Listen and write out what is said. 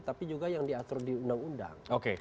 tapi juga yang diatur di undang undang